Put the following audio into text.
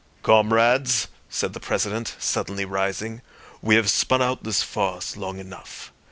"Comrades," said the President, suddenly rising, "we have spun out this farce long enough.